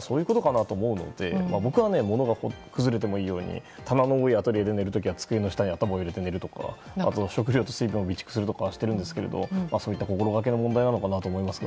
そういうことかなと思うので僕は物が崩れてもいいように机の下に頭を入れて寝るとか食料、水分とか備蓄するとかしていますがそういった心がけの問題かと思いますが。